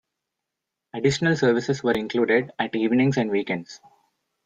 Additional services were included at evenings and weekends.